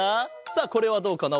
さあこれはどうかな？